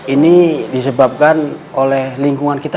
ini disebabkan oleh lingkungan kita